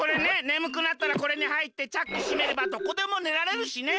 ねむくなったらこれにはいってチャックしめればどこでもねられるしね。